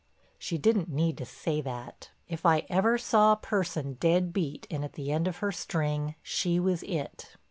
She didn't need to say that. If I ever saw a person dead beat and at the end of her string she was it.